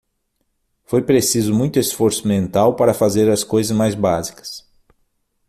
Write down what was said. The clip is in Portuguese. Foi preciso muito esforço mental para fazer as coisas mais básicas.